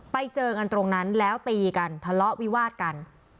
ไปเจอกันตรงนั้นแล้วตีกันทะเลาะวิวาดกัน